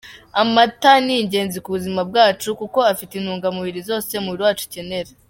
Amata ni ingenzi ku buzima bwacu kuko afite intungamubiri zose umubiri wacu ukenera.